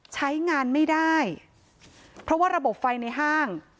ใช้งานไม่ได้เพราะว่าระบบไฟในห้าง